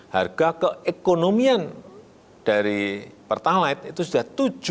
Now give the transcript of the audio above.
harga keekonomian dari pertalite itu sudah tujuh belas seratus